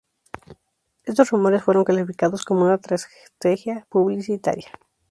Estos rumores fueron calificados como "una estrategia publicitaria".